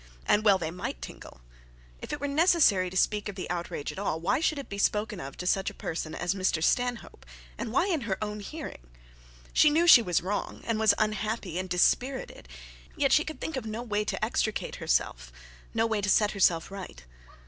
And well they might tingle. If it were necessary to speak of the outrage at all, why should it be spoken of to such a person as Mr Stanhope, and why in her own hearing? She knew she was wrong, and was unhappy and dispirited, and yet she could think of no way to extricate herself, no way to set herself right.